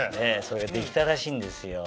それができたらしいんですよ。